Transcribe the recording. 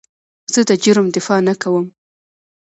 زه د جرم دفاع نه کوم.